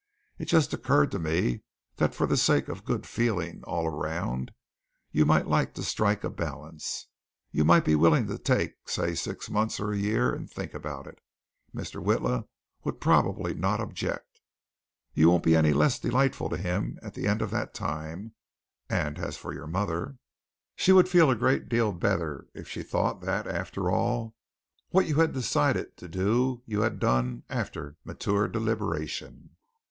It just occurred to me that for the sake of good feeling all around, you might like to strike a balance. You might be willing to take, say six months, or a year and think about it. Mr. Witla would probably not object. You won't be any the less delightful to him at the end of that time, and as for your mother, she would feel a great deal better if she thought that, after all, what you decided to do you had done after mature deliberation."